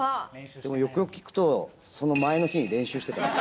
でも、よくよく聞くと、その前の日に練習してたんです。